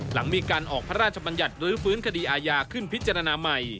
หลังมีการออกพระราชบัญญัติรื้อฟื้นคดีอาญาขึ้นพิจารณาใหม่